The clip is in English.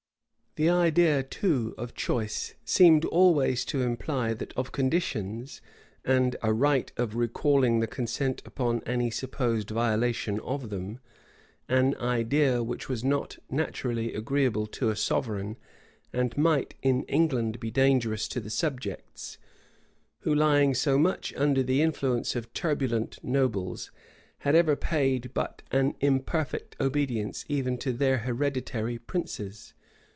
The idea too of choice seemed always to imply that of conditions, and a right of recalling the consent upon any supposed violation of them; an idea which was not naturally agreeable to a sovereign, and might in England be dangerous to the subjects, who, lying so much under the influence of turbulent nobles, had ever paid but an imperfect obedience even to their hereditary princes.